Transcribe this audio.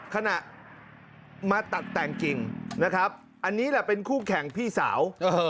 ขณะมาตัดแต่งจริงนะครับอันนี้แหละเป็นคู่แข่งพี่สาว